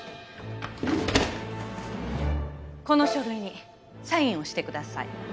この書類にサインをしてください。